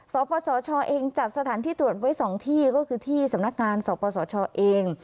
สปสชเองจัดสถานที่ตรวจไว้๒ที่ก็คือที่สำนักงานสปสชเอง